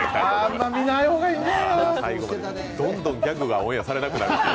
最後、どんどんギャグがオンエアされなくなるという。